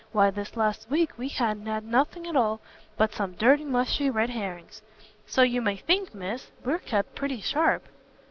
why this last week we ha'n't had nothing at all but some dry musty red herrings; so you may think, Miss, we're kept pretty sharp!"